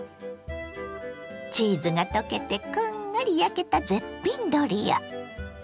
チーズが溶けてこんがり焼けた絶品ドリア。